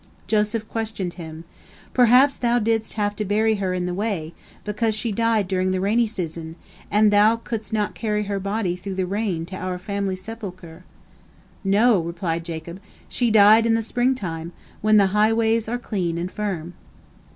Joseph questioned him: "Perhaps thou didst have to bury her in the way, because she died during the rainy season, and thou couldst not carry her body through the rain to our family sepulchre?" "No," replied Jacob, "she died in the spring time, when the highways are clean and firm."